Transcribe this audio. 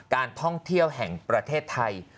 การท่องเที่ยวแห่งประเทศไทย